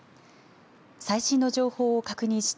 最新の情報を確認して